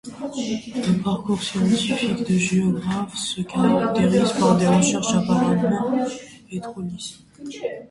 Le parcours scientifique de géographe se caractérise par des recherches apparemment hétéroclites.